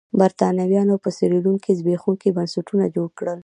برېټانویانو په سیریلیون کې زبېښونکي بنسټونه جوړ کړل.